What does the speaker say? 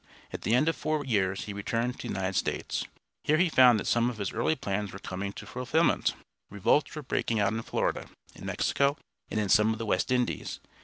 At the end of four years he returned to the United States. Here he found that some of his early plans were coming to fulfilment. Revolts were breaking out in Florida, in Mexico, and in some of the West Indies.